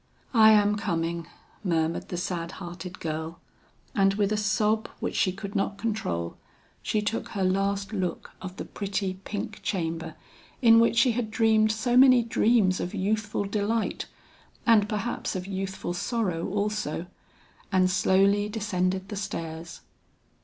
"I am coming," murmured the sad hearted girl, and with a sob which she could not control, she took her last look of the pretty pink chamber in which she had dreamed so many dreams of youthful delight, and perhaps of youthful sorrow also, and slowly descended the stairs.